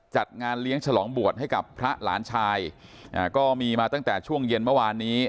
จัดงานเลี้ยงฉลองบวชให้กับพระหลานชายอ่าก็มีมาตั้งแต่ช่วงเย็นเมื่อวานนี้